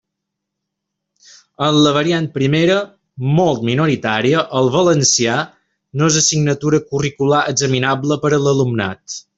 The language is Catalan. En la variant primera, molt minoritària, el valencià no és assignatura curricular examinable per a l'alumnat.